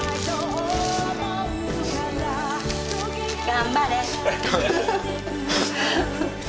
頑張れ。